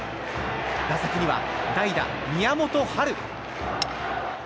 打席には代打、宮本青空。